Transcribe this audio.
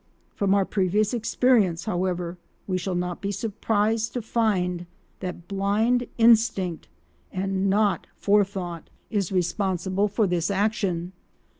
From our previous experience, however, we shall not be surprised to find that blind instinct and not forethought is responsible for this action.